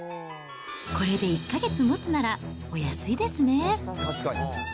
これで１か月もつならお安いですね。